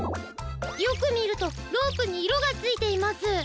よくみるとロープにいろがついています！